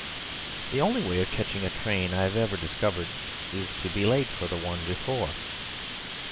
The only way of catching a train I have ever discovered is to be late for the one before.